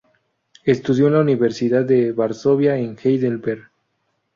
Estudió en las universidades de Varsovia y Heidelberg.